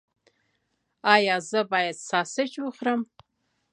ایا زه باید ساسج وخورم؟